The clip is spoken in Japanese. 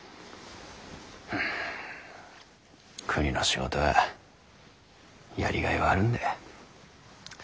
国の仕事はやりがいはあるんだ。